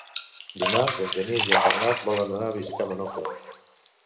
Dimarts en Genís i en Bernat volen anar a visitar mon oncle.